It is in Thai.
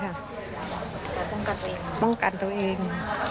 จะป้องกันตัวเองค่ะป้องกันตัวเอง